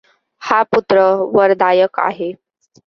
हा पुत्र वरदायक आहे.